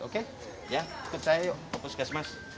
oke ya kita yuk ke puskesmas